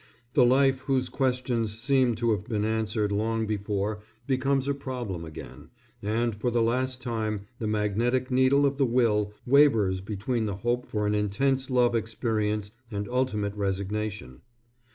The life whose questions seem to have been answered long before becomes a problem again, and for the last time the magnetic needle of the will wavers between the hope for an intense love experience and ultimate resignation.